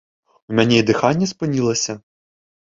У мяне і дыханне спынілася.